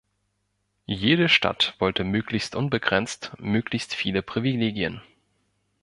Jede Stadt wollte möglichst unbegrenzt, möglichst viele Privilegien.